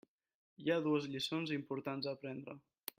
Hi ha dues lliçons importants a aprendre.